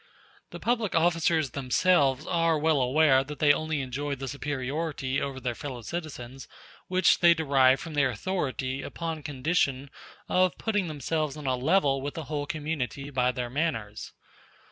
The public officers themselves are well aware that they only enjoy the superiority over their fellow citizens which they derive from their authority upon condition of putting themselves on a level with the whole community by their manners.